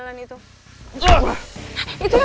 kamu tidak bisa